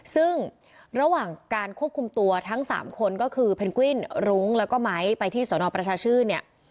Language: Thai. ซึ่งระหว่างการควบคุมตัวทั้ง๓คนก็คือเพนกวินรุ้งแล้วก็ไม้ไปที่สนประชาชื่นเนี่ย